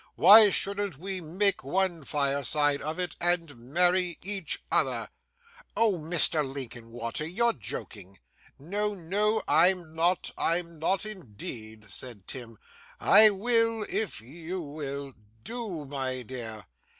Why shouldn't we make one fireside of it, and marry each other?' 'Oh, Mr. Linkinwater, you're joking!' 'No, no, I'm not. I'm not indeed,' said Tim. 'I will, if you will. Do, my dear!